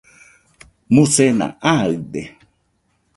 musena aɨde